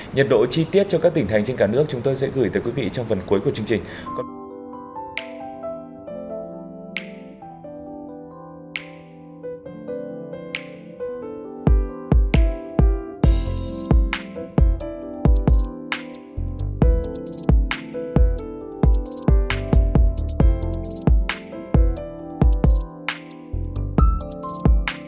nhiệt độ chi tiết cho các tỉnh thành trên cả nước chúng tôi sẽ gửi tới quý vị trong phần cuối của chương trình